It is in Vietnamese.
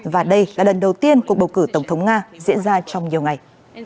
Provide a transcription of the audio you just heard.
và đây là lần đầu tiên cuộc bầu cử tổng thống nga diễn ra trong nhiều ngày